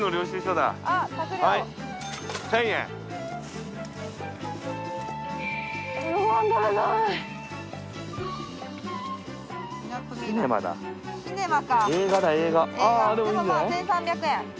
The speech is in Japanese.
でもまあ１，３００円。